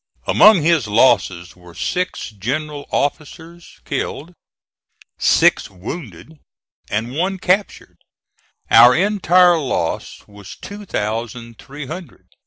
Among his losses were six general officers killed, six wounded, and one captured. Our entire loss was two thousand three hundred.